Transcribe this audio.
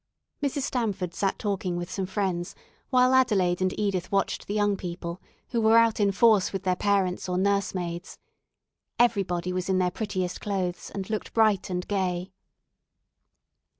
Mrs. Stamford sat talking with some friends while Adelaide and Edith watched the young people, who were out in full force with their parents or nurse maids. Everybody was in their prettiest clothes, and looked bright and gay.